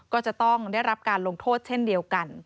ก็จะต้องได้รับการลงโทษเช่นเดียวกัน